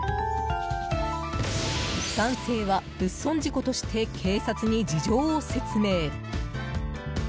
男性は、物損事故として警察に事情を説明。